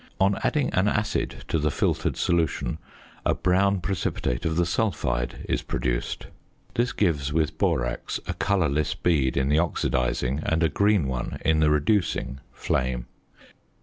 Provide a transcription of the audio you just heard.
On adding an acid to the filtered solution a brown precipitate of the sulphide is produced. This gives with borax a colourless bead in the oxidising, and a green one in the reducing, flame.